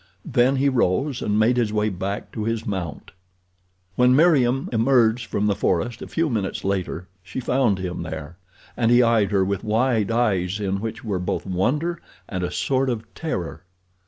Then he rose and made his way back to his mount. When Meriem emerged from the forest a few minutes later she found him there, and he eyed her with wide eyes in which were both wonder and a sort of terror.